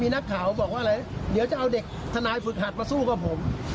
นักข่าวบอกว่าอะไรเดี๋ยวจะเอาเด็กทนายฝึกหัดมาสู้กับผม